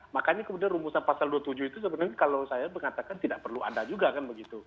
makanya kemudian rumusan pasal dua puluh tujuh itu sebenarnya kalau saya mengatakan tidak perlu ada juga kan begitu